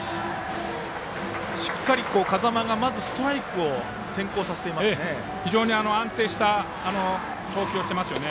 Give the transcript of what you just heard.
しっかり風間がまずストライクを先行させていますね。